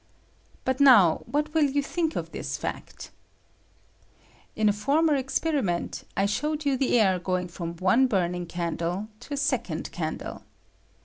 But now what will you think of this fact? In a former experimcDt I showed you the air going from one burning candle to a second candle.